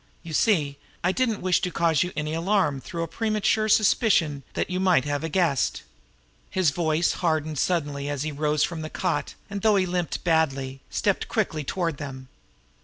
You see, I didn't wish to cause you any alarm through a premature suspicion that you might have a guest!" His voice hardened suddenly as he rose from the cot, and, though he limped badly, stepped quickly toward them.